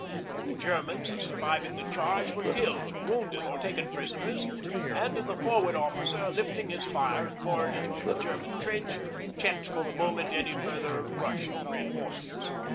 The Germans surviving the charge were killed, wounded, or taken prisoners, and the Forward Officer, lifting his fire and pouring it on the German trench, checked for the moment any further rush of reinforcements.